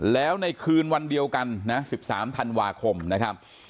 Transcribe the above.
แล้วในคืนวันเดียวกันนะ๑๓ธันวาคมนะครับ